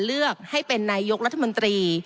เลือกให้เป็นนายกรัฐมนตรี